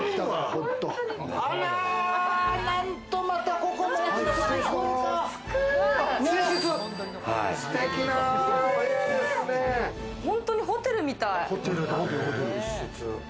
ほんとにホテルみたい！